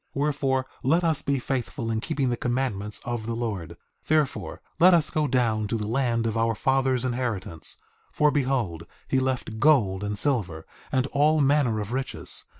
3:16 Wherefore, let us be faithful in keeping the commandments of the Lord; therefore let us go down to the land of our father's inheritance, for behold he left gold and silver, and all manner of riches.